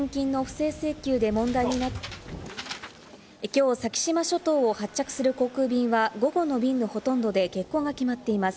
きょう先島諸島を発着する航空便は午後の便のほとんどで欠航が決まっています。